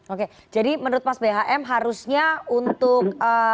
oke jadi menurut mas bhm harusnya untuk